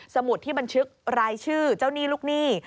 สมุดที่บันทึกรายชื่อเจ้าหนี้ลูกหนี้